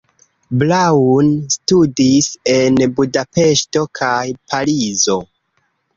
Braun studis en Budapeŝto kaj Parizo.